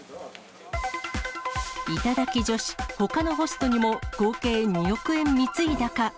頂き女子、ほかのホストにも合計２億円貢いだか？